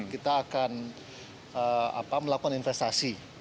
kita akan melakukan investasi